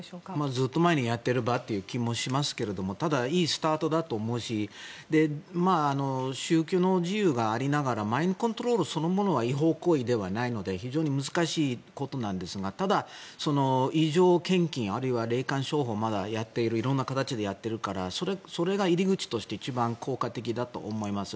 ずっと前にやっていればという気もしますけどただ、いいスタートだと思うし信教の自由がありながらマインドコントロールそのものは違法行為ではないので非常に難しいことなんですがただ、異常献金あるいは霊感商法をまだやっているからそれが入り口として一番効果的だと思います。